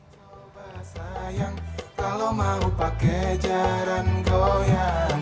coba sayang kalau mau pakai jaran goyang